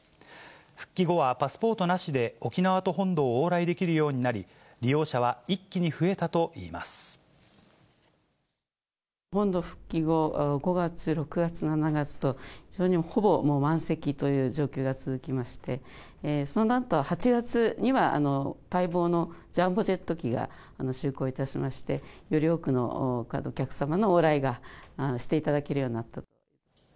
復帰後はパスポートなしで沖縄と本土を往来できるようになり、本土復帰後、５月、６月、７月と、ほぼ満席という状況が続きまして、そのあと、８月には待望のジャンボジェット機が就航いたしまして、より多くのお客様の往来がしていただけるようになったと。